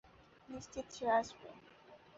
নিশ্চিত সে আসবে।